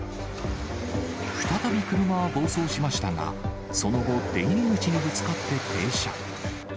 再び車は暴走しましたが、その後、出入り口にぶつかって停車。